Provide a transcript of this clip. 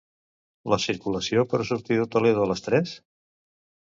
La circulació per sortir de Toledo a les tres?